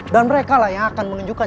dan mereka lah yang akan menunjukkan